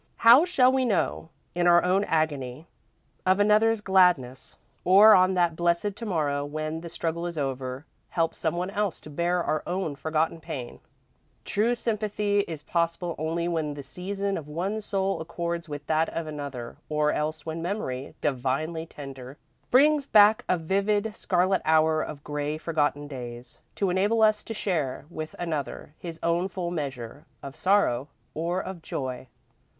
How shall we know, in our own agony, of another's gladness, or, on that blessed to morrow when the struggle is over, help someone else to bear our own forgotten pain? True sympathy is possible only when the season of one soul accords with that of another, or else when memory, divinely tender, brings back a vivid, scarlet hour out of grey, forgotten days, to enable us to share, with another, his own full measure of sorrow or of joy.